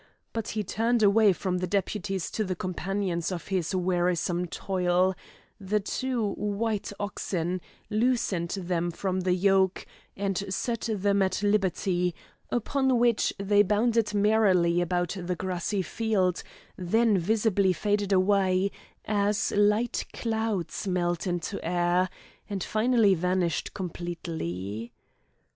But he turned away from the deputies to the companions of his wearisome toil the two white oxen, loosened them from the yoke, and set them at liberty, upon which they bounded merrily about the grassy field, then visibly faded away, as light clouds melt into air, and finally vanished completely.